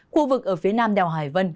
khu vực ở phía nam đèo hải vân